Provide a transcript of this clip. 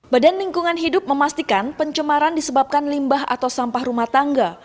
badan lingkungan hidup memastikan pencemaran disebabkan limbah atau sampah rumah tangga